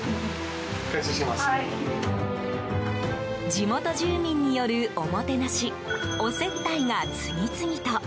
地元住民によるおもてなしお接待が次々と。